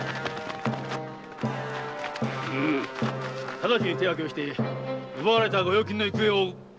ただちに手分けをして奪われた御用金の行方を追う。